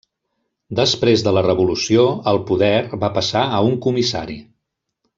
Després de la revolució el poder va passar a un comissari.